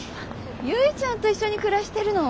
ゆいちゃんと一緒に暮らしてるの？